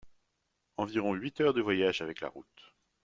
Environ huit heures de voyage avec la route.